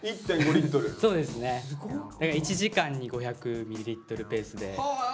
だから１時間に５００ミリリットルペースで。